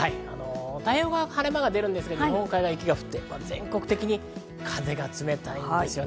太平洋側は晴れ間が出るんですが、日本海側、雪が降って、全国的に風が冷たいんですよね。